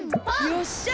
よっしゃ！